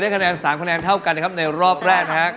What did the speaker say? ได้คะแนะ๓คะแนนเท่ากันครับในรอบแรก